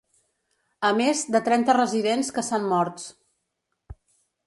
A més, de trenta residents que s’han morts.